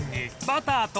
バターが。